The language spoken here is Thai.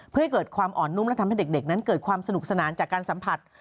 เพื่อให้เกิดความอ่อนนุ่มและทำให้เด็กนั้นเกิดความสนุกสนานจากการสัมผัส